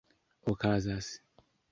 okazas